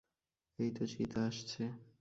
এইতো চিতা আসছে।